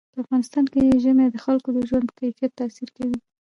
په افغانستان کې ژمی د خلکو د ژوند په کیفیت تاثیر کوي.